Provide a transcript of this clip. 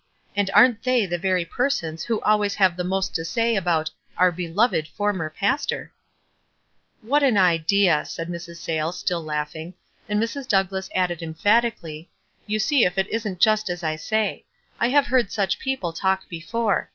And aren't they the very persons who always have the most to say about ' our be loved former pastor ?'" "What an idea !" said Mrs. Sayles, still laugh ing; and Mrs. Douglass added emphatically, — "You see if it isn't just as I say. I have heard such people talk before.